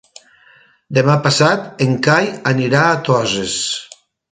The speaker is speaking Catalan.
Demà passat en Cai anirà a Toses.